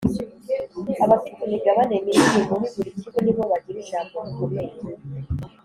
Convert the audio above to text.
Abafite imigabane minini muri buri kigo ni bo bagira ijambo rikomeye